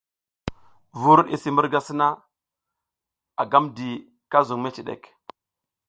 Vur i misi murga sina, a gam di ka zuƞ meciɗek.